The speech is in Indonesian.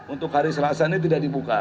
untuk hari selasa ini tidak dibuka